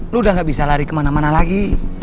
lu udah gak bisa lari kemana mana lagi